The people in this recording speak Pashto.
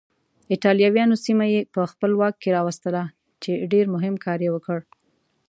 ایټالویانو سیمه یې په خپل واک کې راوستله چې ډېر مهم کار یې وکړ.